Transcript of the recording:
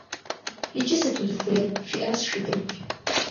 - Иджы сыт узыхуейр? - жиӏащ шыдым.